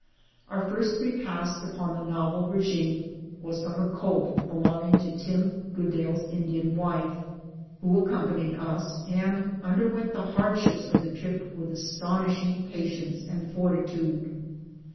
Our first repast upon the novel regimen was from a colt belonging to Tim Goodale's Indian wife, who accompanied us, and underwent the hardships of the trip with astonish ing patience and fortitude.